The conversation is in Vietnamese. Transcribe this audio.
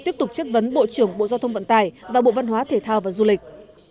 tiếp tục chất vấn bộ trưởng bộ giao thông vận tải và bộ văn hóa thể thao và du lịch